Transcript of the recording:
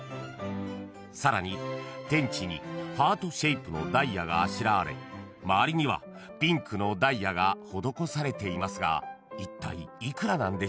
［さらに天地にハートシェイプのダイヤがあしらわれ周りにはピンクのダイヤが施されていますがいったい幾らなんでしょうか？］